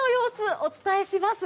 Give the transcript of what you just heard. お伝えします。